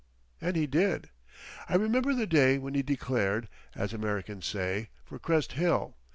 And he did. I remember the day when he declared, as Americans say, for Crest Hill.